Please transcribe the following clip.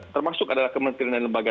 termasuk adalah kementerian dan lembaga